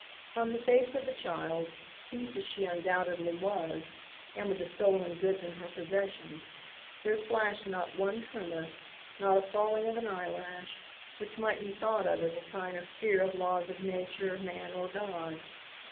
On the face of the child, thief as she undoubtedly was, and with the stolen goods in her possession, there flashed not one tremor, not a falling of an eyelash, which might be thought of as a sign of fear of laws of nature, man or God.